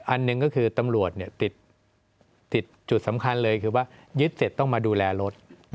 อันหนึ่งก็คือตำรวจติดจุดสำคัญเลยคือว่ายึดเสร็จต้องมาดูแลรถ